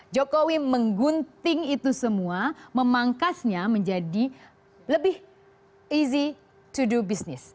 jokowi menggunting itu semua memangkasnya menjadi lebih easy to do business